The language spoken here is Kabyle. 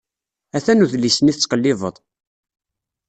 Hatan udlis-nni tettqellibeḍ.